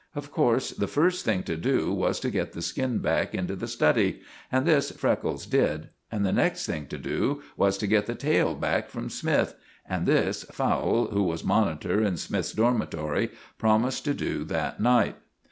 Of course, the first thing to do was to get the skin back into the study, and this Freckles did; and the next thing to do was to get the tail back from Smythe, and this Fowle, who was monitor in Smythe's dormitory, promised to do that night.